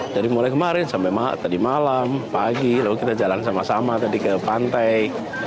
jadi mulai kemarin sampai tadi malam pagi lalu kita jalan sama sama tadi ke pantai